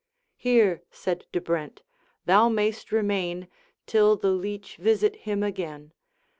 'Here,' said De Brent, 'thou mayst remain Till the Leech visit him again.